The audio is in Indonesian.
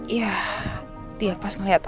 yah dia pas ngeliat aku lah